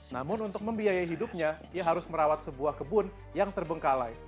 namun untuk membiayai hidupnya ia harus merawat sebuah kebun yang terbengkalai